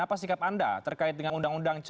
apa sikap anda terkait dengan undang undang cipta